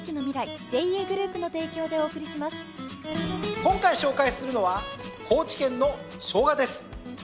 今回紹介するのは高知県のショウガです。